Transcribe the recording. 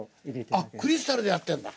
あっクリスタルでやってんだ！